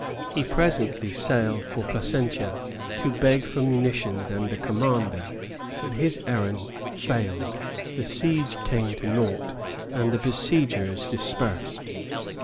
He presently sailed for Placentia to beg for munitions and a commander; but his errand failed, the siege came to nought, and the besiegers dispersed.